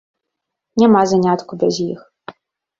Няма занятку без іх.